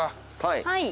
はい。